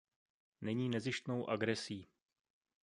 Není nezištnou agresí.